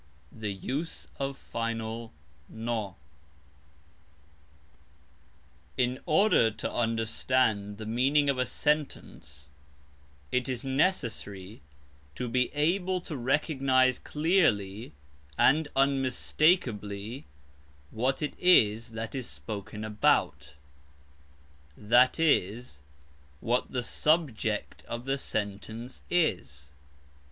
The use of final "n". In order to understand the meaning of a sentence it is necessary to be able to recognise clearly and unmistakably what it is that is spoken about, that is, what the "subject of the sentence" is.